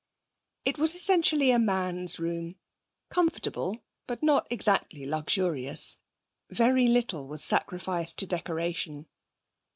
It was essentially a man's room. Comfortable, but not exactly luxurious; very little was sacrificed to decoration.